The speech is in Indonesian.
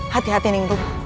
hati hati neng bu